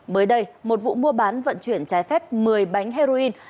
mới đây một vụ mua bán vận chuyển trái phép một mươi bánh heroin